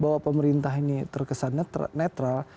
bahwa pemerintah ini terkesan netral